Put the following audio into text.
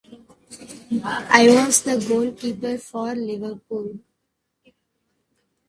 I was the goalkeeper for Liverpool.